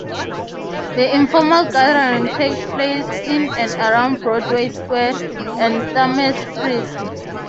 The informal gathering takes place in and around Broadway Square and Thames Street.